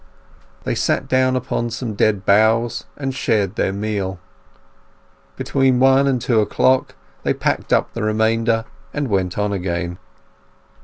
They sat down upon some dead boughs and shared their meal. Between one and two o'clock they packed up the remainder and went on again.